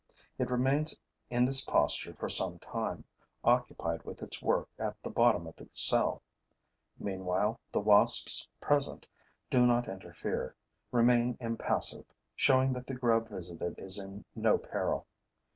It remains in this posture for some time, occupied with its work at the bottom of the cell. Meanwhile, the wasps present do not interfere, remain impassive, showing that the grub visited is in no peril.